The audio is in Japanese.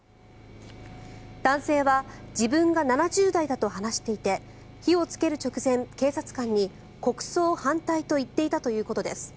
男性は自分が７０代だと話していて火をつける直前、警察官に国葬反対と言っていたということです。